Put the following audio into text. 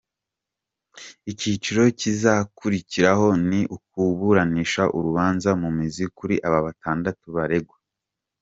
Ikiciro kizakurikiraho ni ukuburanisha urubanza mu mizi kuri aba batandatu baregwa.